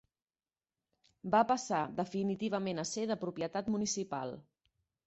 Va passar definitivament a ser de propietat municipal.